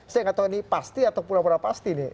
saya nggak tahu ini pasti atau pura pura pasti nih